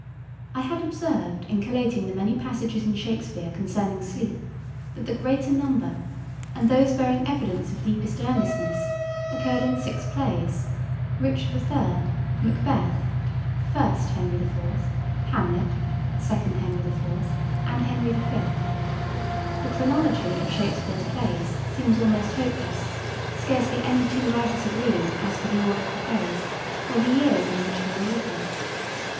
I had observed, in collating the many passages in Shakespeare concerning sleep, that the greater number, and those bearing evidence of deepest earnestness, occurred in six plays: "Richard III.," "Macbeth," "1 Henry IV.," "Hamlet," "2 Henry IV.," and "Henry V." The chronology of Shakespeare's plays seems almost hopeless, scarcely any two writers agreeing as to the order of the plays or the years in which they were written.